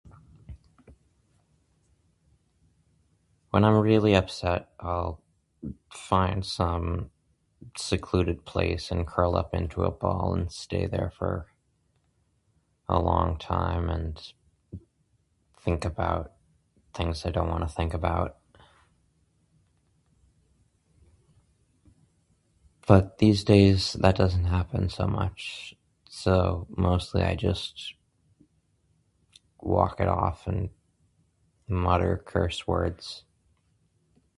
When I'm really upset I'll find some secluded place and curl up into a ball and stay there for a long time and think about things I don't want to think about but these days that doesn't happen so much so mostly I just walk it off and mutter curse words.